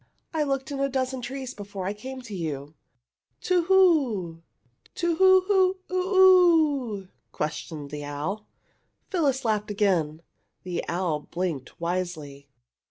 I looked in a dozen trees before I came to you." "To who? To who whoo oo oo?" questioned the owl. Phyllis laughed again. The owl blinked wisely.